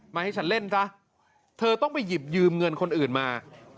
ให้ฉันเล่นซะเธอต้องไปหยิบยืมเงินคนอื่นมา